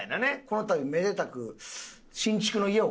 このたびめでたく